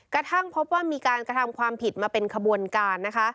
กระทั่งพบว่ามีการกระทำความผิดมาเป็นขบวนการนะคะ